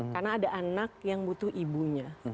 karena ada anak yang butuh ibunya